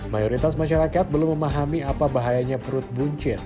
mayoritas masyarakat belum memahami apa bahayanya perut buncit